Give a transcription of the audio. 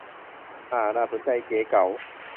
อ่า น่าสนใจ เก๋เก๋า